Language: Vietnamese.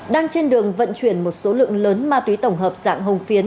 đang trên đường vận chuyển một số lượng lớn ma túy tổng hợp dạng hồng phiến